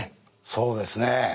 そうですね。